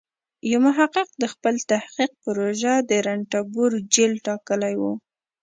یو محقق د خپل تحقیق پروژه د رنتبور جېل ټاکلی و.